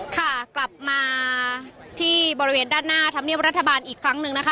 ค่ะกลับมาที่บริเวณด้านหน้าธรรมเนียบรัฐบาลอีกครั้งหนึ่งนะคะ